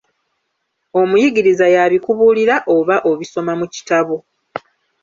Omuyigiriza y'abikubuulira oba obisoma mu kitabo.